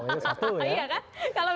itu satu ya